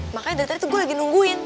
makanya dari tadi gua lagi nungguin